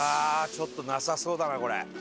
ちょっとなさそうだなこれ。